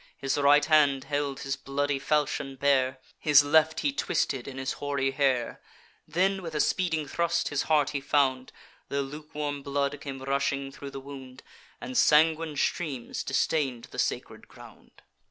His right hand held his bloody falchion bare, His left he twisted in his hoary hair; Then, with a speeding thrust, his heart he found: The lukewarm blood came rushing thro' the wound, And sanguine streams distain'd the sacred ground.